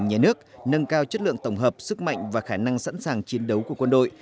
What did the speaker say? nhà nước nâng cao chất lượng tổng hợp sức mạnh và khả năng sẵn sàng chiến đấu của quân đội